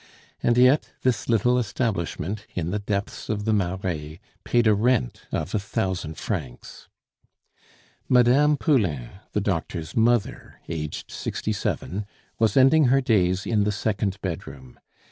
And yet, this little establishment, in the depths of the Marais, paid a rent of a thousand francs. Mme. Poulain, the doctor's mother, aged sixty seven, was ending her days in the second bedroom.